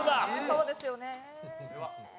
そうですよね。